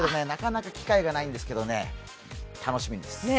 なかなか機会がないんですけどね、楽しみです。